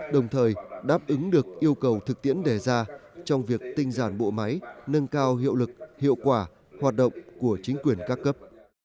đồng thời đáp ứng được yêu cầu thực tiễn đề ra trong việc tinh giản bộ máy nâng cao hiệu lực hiệu quả hoạt động của chính quyền các cấp